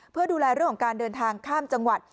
เพื่อดูแลเรื่องของการเดินทางข้ามจังหวัด